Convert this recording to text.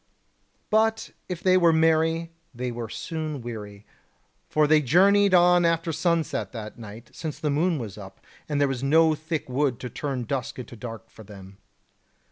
But if they were merry, they were soon weary; for they journeyed on after sunset that night, since the moon was up, and there was no thick wood to turn dusk into dark for them.